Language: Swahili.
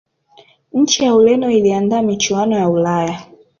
nchi ya ureno iliandaa michuano ya ulaya